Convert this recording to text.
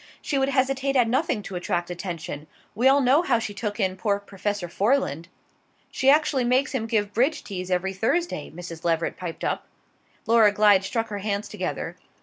She would hesitate at nothing to attract attention: we all know how she took in poor Professor Foreland." "She actually makes him give bridge teas every Thursday," Mrs. Leveret piped up. Laura Glyde struck her hands together.